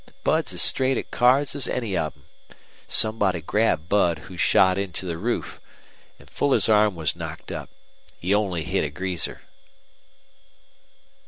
Bud's as straight at cards as any of 'em. Somebody grabbed Bud, who shot into the roof. An' Fuller's arm was knocked up. He only hit a greaser."